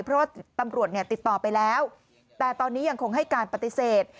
เพราะว่าตำรวจเนี่ยติดต่อไปแล้วแต่ตอนนี้ยังคงให้การปฏิเสธ